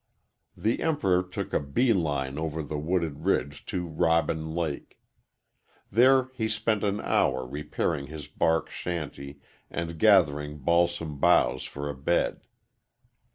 The Emperor took a bee line over the wooded ridge to Robin Lake. There he spent an hour repairing his bark shanty and gathering balsam boughs for a bed.